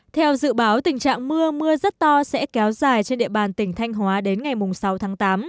theo dự báo tình trạng mưa mưa rất to sẽ kéo dài trên địa bàn tỉnh thanh hóa đến ngày sáu tháng tám